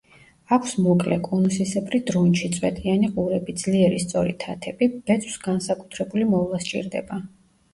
აქვს მოკლე, კონუსისებრი დრუნჩი, წვეტიანი ყურები, ძლიერი სწორი თათები, ბეწვს განსაკუთრებული მოვლა სჭირდება.